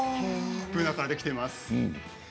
ブナからできています。